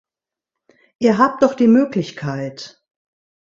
Ihr habt doch die Möglichkeit!